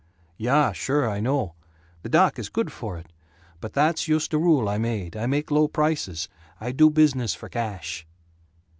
"Yuh, sure, I know. The doc is good for it. But that's yoost a rule I made. I make low prices. I do business for cash."